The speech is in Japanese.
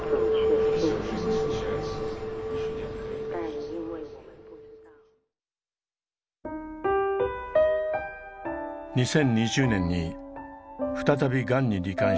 ２０２０年に再びがんにり患した坂本さん。